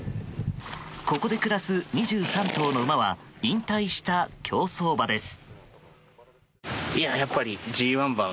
ここで暮らす２３頭の馬は引退した競走馬です。